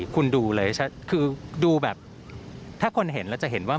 คุณดูเลยคือดูแบบถ้าคนเห็นแล้วจะเห็นว่า